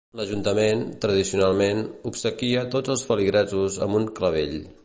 L'ajuntament, tradicionalment, obsequia tots els feligresos amb un clavell.